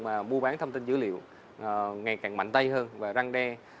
mà mua bán thông tin dữ liệu ngày càng mạnh tay hơn và răng đe